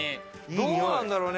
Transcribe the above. どうなんだろうね？